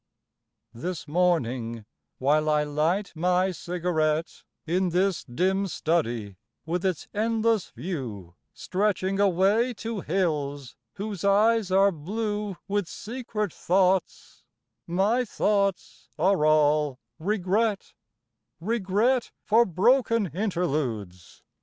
VI This morning while I light my cigarette In this dim study with its endless view Stretching away to hills whose eyes are blue With secret thoughts, my thoughts are all regret, Regret for broken interludes!